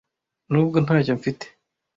nubwo ntacyo mfite